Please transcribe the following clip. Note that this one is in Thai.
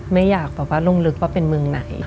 ไม่อยากบอกว่าลุงลึกว่าเป็นเมืองไหน